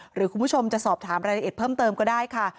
หรือคุณผู้ชมจะสอบถามรายละเอียดเพิ่มเติมก็ได้ค่ะ